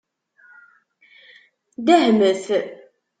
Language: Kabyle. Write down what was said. Dehmet.